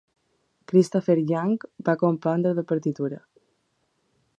Christopher Young va compondre la partitura.